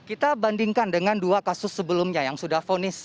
kita bandingkan dengan dua kasus sebelumnya yang sudah fonis